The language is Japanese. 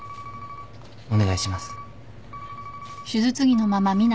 お願いします。